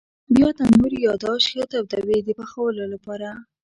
بیا تنور یا داش ښه تودوي د پخولو لپاره.